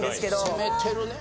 攻めてるね。